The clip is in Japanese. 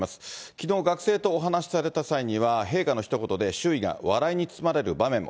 きのう学生とお話しされた際には、陛下のひと言で周囲が笑いに包まれる場面も。